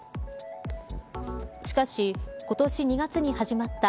しかし今年２月に始まった